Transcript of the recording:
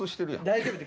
大丈夫。